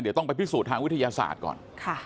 เดี๋ยวต้องไปพิสูจน์ทางวิทยาศาสตร์ก่อน